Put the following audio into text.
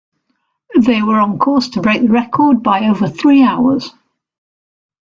They were on course to break the record by over three hours.